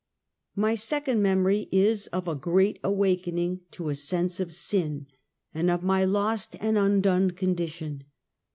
My second memory is of a "great awakening" to a sense of sin, and of my lost and undone condition.